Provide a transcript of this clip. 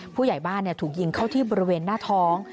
ผู้ใหญ่บ้านถูกยิงเข้าที่บริเวณหน้าท้อง